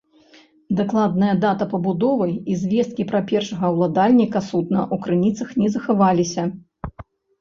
Дакладная дата пабудовы і звесткі пра першага ўладальніка судна ў крыніцах не захаваліся.